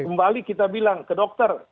kembali kita bilang ke dokter